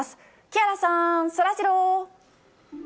木原さん、そらジロー。